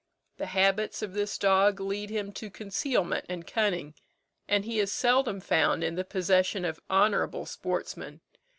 The habits of this dog lead him to concealment and cunning, and he is seldom found in the possession of honourable sportsmen.